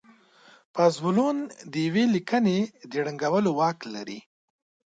پازوالان د يوې ليکنې د ړنګولو واک لري.